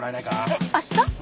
えっ明日！？